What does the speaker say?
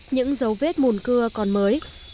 những dấu vết mùn cưa còn mới